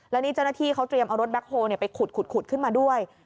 แล้วนี่เจ้าหน้าที่เขาเตรียมเอารถแบ็คโฮลไปขุดขึ้นมาด้วย